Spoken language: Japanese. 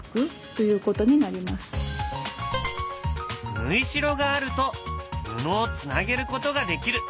ぬいしろがあると布をつなげることができる。